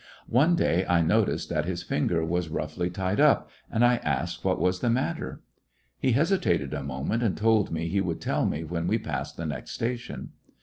One day I noticed that his finger was roughly tied up, and I asked what was the matter. He hesitated a moment, and told me he would tell me when we passed the next station.